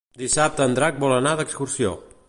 Dissabte en Drac vol anar d'excursió.